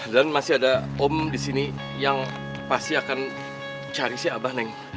dan masih ada om disini yang pasti akan cari si abah neng